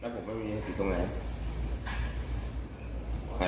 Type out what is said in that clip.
ครับแล้วผมไม่มีจัดตีตรงไหน